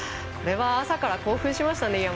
これは朝から興奮しましたね。